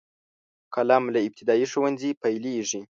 قلم له ابتدايي ښوونځي پیلیږي.